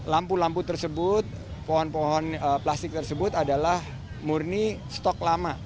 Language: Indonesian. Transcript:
lampu lampu tersebut pohon pohon plastik tersebut adalah murni stok lama